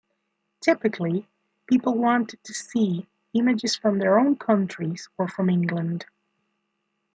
Typically, people wanted to see images from their own countries or from England.